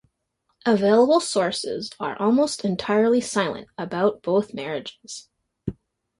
Available sources are almost entirely silent about both marriages.